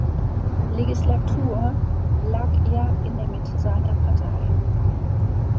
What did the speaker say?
Legislatur, lag er in der Mitte seiner Partei.